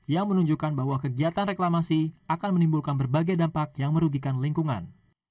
yang menunjukkan bahwa kegiatan reklamasi akan menimbulkan berbagai dampak yang merugikan lingkungan